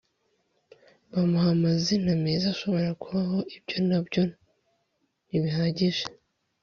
bamuha amazina meza ashobora kubaho ; ibyo na byontibihagije.